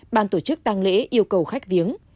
ban tổ chức tăng lễ yêu cầu khách viếng